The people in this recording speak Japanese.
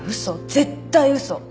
絶対嘘。